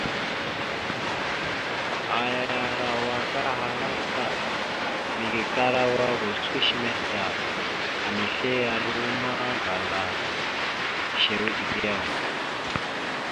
Arawak ahala vvaɗ : mege karawa gosko shəmeh ta, amesle ya romma gwala shew ɗek yaw ?